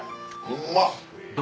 うまっ！